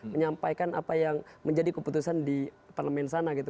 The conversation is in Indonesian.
menyampaikan apa yang menjadi keputusan di parlemen sana gitu